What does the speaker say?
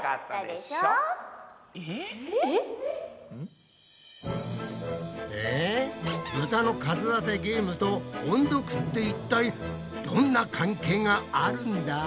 えっ！？えブタの数当てゲームと音読っていったいどんな関係があるんだ？